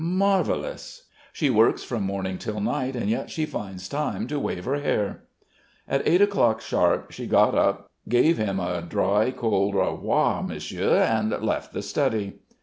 Marvellous! She works from morning till night and yet she finds time to wave her hair." At eight o'clock sharp she got up, gave him a dry, cold "Au revoir, Monsieur," and left the study.